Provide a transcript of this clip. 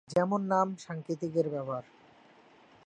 যেমন নাম সাংকেতিক এর ব্যবহার।